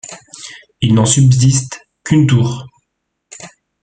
Il n'en subsiste qu'une tour.